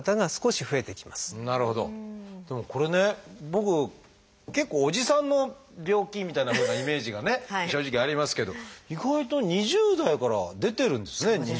僕結構おじさんの病気みたいなふうなイメージがね正直ありますけど意外と２０代から出てるんですね。